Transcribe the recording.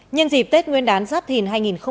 nhân dịp tết nguyên đán giáp thìn hai nghìn hai mươi bốn